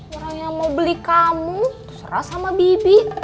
orang yang mau beli kamu serah sama bibi